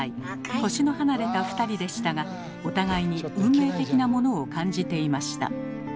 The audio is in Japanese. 年の離れた２人でしたがお互いに運命的なものを感じていました。